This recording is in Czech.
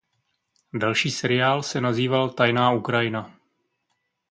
Další seriál se nazýval Tajná Ukrajina.